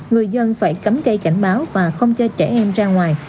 người dân phải cấm cây cảnh báo và không cho trẻ em ra ngoài